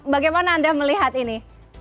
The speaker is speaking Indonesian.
bagaimana anda melihat ini